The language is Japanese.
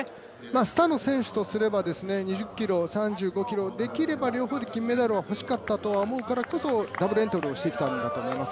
スタノ選手とすれば、２０ｋｍ、３５ｋｍできれば両方で金メダルが欲しかったと思うからこそダブルエントリーをしてきたんだと思います。